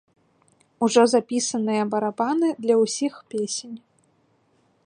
Ужо запісаныя барабаны для ўсіх песень.